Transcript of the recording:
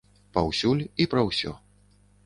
Паўсюль і пра ўсё.